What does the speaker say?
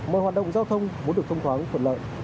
mọi hoạt động giao thông muốn được thông thoáng thuận lợi